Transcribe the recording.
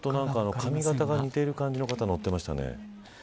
髪型が似ている感じの方が乗っていましたね。